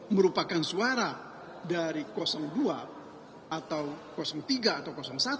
merupakan suara dari dua atau tiga atau satu